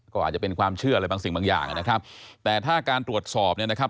ก็อาจจะเป็นความเชื่ออะไรบางสิ่งบางอย่างนะครับแต่ถ้าการตรวจสอบเนี่ยนะครับ